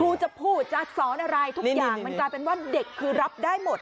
ครูจะพูดจะสอนอะไรทุกอย่างมันกลายเป็นว่าเด็กคือรับได้หมด